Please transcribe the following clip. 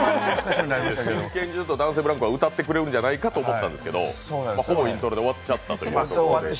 真剣に男性ブランコは歌ってくれるんじゃないかと思ったんですけどほぼイントロで終わっちゃったという。